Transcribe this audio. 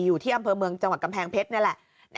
อยู่ที่อำเภอเมืองจังหวัดกำแพงเพชรนี่แหละ